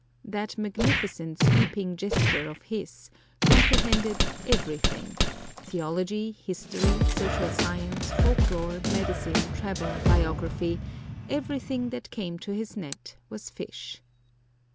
That magnificent, sweeping gesture of his comprehended everything theology, history, social science, folk lore, medicine, travel, biography everything that came to his net was fish!